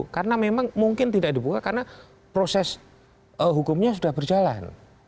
karena memang mungkin tidak dibuka karena proses hukumnya sudah berjalan